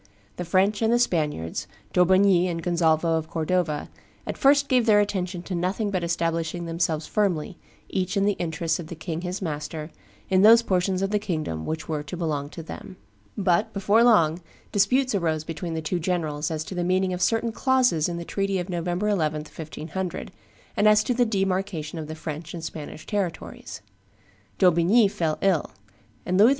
The French and the Spaniards, D'Aubigny and Gonzalvo of Cordova, at first gave their attention to nothing but establishing themselves firmly, each in the interests of the king his master, in those portions of the kingdom which were to belong to them. But, before long, disputes arose between the two generals as to the meaning of certain clauses in the treaty of November 11, 1500, and as to the demarcation of the French and the Spanish territories. D'Aubigny fell ill; and Louis XII.